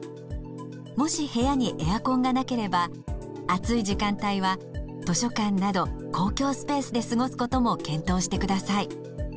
もし部屋にエアコンがなければ暑い時間帯は図書館など公共スペースで過ごすことも検討してください。